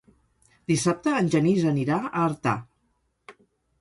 Dissabte en Genís anirà a Artà.